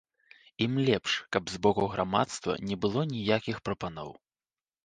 Ім лепш, каб з боку грамадства не было ніякіх прапаноў.